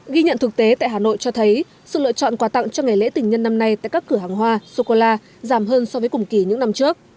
ghi nhận thực tế tại hà nội cho thấy sự lựa chọn quà tặng cho ngày lễ tình nhân năm nay tại các cửa hàng hoa sô cô la giảm hơn so với cùng kỳ những năm trước